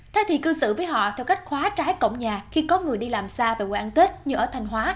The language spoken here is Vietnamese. thế thì cư xử với họ theo cách khóa trái cổng nhà khi có người đi làm xa về quê ăn tết như ở thanh hóa